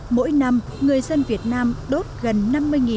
mỗi năm người dân việt nam đốt gần năm mươi tấn vàng mã